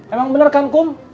emang bener kan kum